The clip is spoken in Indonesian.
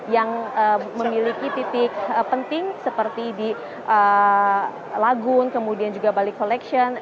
yang memiliki titik penting seperti di lagun kemudian juga bali collection